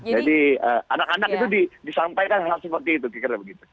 jadi anak anak itu disampaikan hal seperti itu